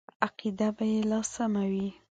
عقیده به یې لا سمه وي.